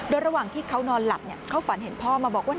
โดยระหว่างที่เขานอนหลับเขาฝันเห็นพ่อมาบอกว่า